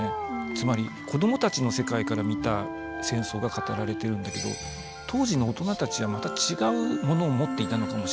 つまり子どもたちの世界から見た戦争が語られているんだけど当時の大人たちはまた違うものを持っていたのかもしれないな。